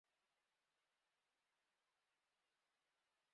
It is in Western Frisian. De hurde wyn soarge sneon foar problemen yn Drachten.